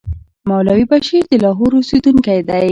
مولوي بشیر د لاهور اوسېدونکی دی.